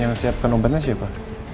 yang siapkan obatnya siapa